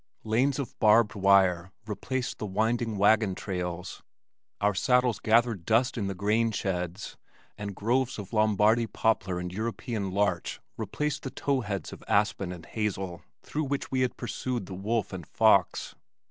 Lanes of barbed wire replaced the winding wagon trails, our saddles gathered dust in the grain sheds, and groves of Lombardy poplar and European larch replaced the tow heads of aspen and hazel through which we had pursued the wolf and fox.